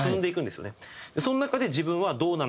その中で自分はどうなのかとか。